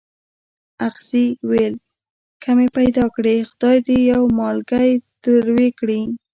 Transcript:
اغزي ویل که مې پیدا کړې خدای دې یو مالګی تروې کړي.